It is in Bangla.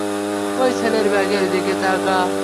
ঐ ছেলের ব্যাগের দিকে তাকা।